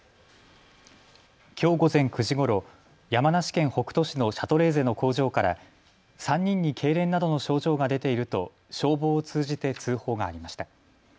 きょう午前９時ごろ山梨県北杜市のシャトレーゼの工場から３人にけいれんなどの症状が出ていると消防を通じて通報がありました。